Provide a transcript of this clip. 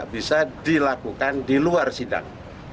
bisa dilakukan di luar sidang